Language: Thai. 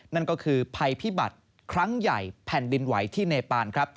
นั่นก็คือภัยพิบัติครั้งใหญ่แผ่นดินไหวที่เนปานครับ